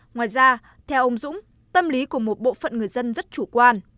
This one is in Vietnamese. ngoài ra theo ông dũng tâm lý của một bộ phận người dân rất chủ quan